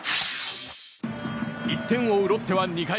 １点を追うロッテは２回。